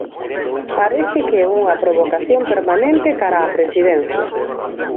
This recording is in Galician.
Parece que é unha provocación permanente cara á Presidencia.